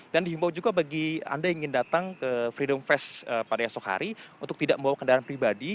dan dihimpau juga bagi anda yang ingin datang ke freedom fest pada esok hari untuk tidak membawa kendaraan pribadi